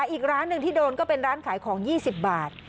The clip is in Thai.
อีกร้านหนึ่งที่โดนก็เป็นร้านขายของ๒๐บาท